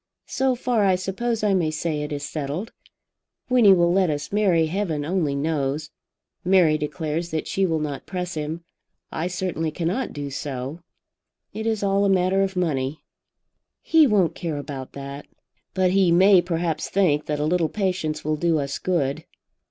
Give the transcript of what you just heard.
So far I suppose I may say it is settled. When he will let us marry heaven only knows. Mary declares that she will not press him. I certainly cannot do so. It is all a matter of money." "He won't care about that." "But he may perhaps think that a little patience will do us good.